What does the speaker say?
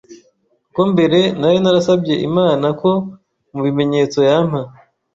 kuko mbere nari narasabye Imana ko mu bimenyetso yampa